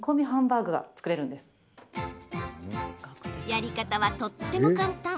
やり方はとっても簡単。